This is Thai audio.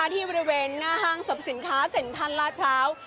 ที่บริเวณหน้าห้างสรรพสินค้าเซ็นทรัลลาดพร้าว